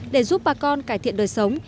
để giúp bà con cải thiện đời sống